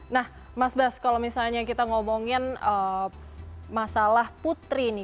nah mas bas kalau misalnya kita ngomongin masalah putri nih